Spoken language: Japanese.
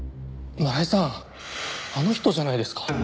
村井さんあの人じゃないですか？